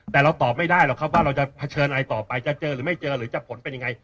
แต่เราตอบไม่ได้หรอกครับว่าเราจะเผชิญอะไรต่อไปจะเจอหรือไม่เจอหรือจะผลเป็นยังไง